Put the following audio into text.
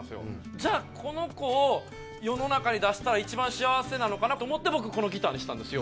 じゃあこのコを世の中に出したら一番幸せなのかなと思って僕このギターにしたんですよ